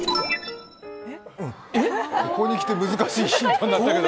ここに来て難しいヒントになったけど。